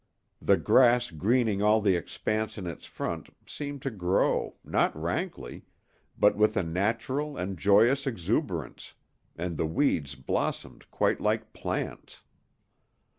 The grass greening all the expanse in its front seemed to grow, not rankly, but with a natural and joyous exuberance, and the weeds blossomed quite like plants.